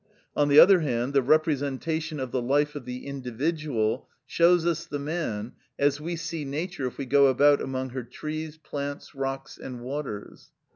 On the other hand, the representation of the life of the individual shows us the man, as we see nature if we go about among her trees, plants, rocks, and waters.